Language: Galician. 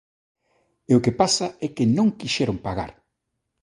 E o que pasa é que non quixeron pagar.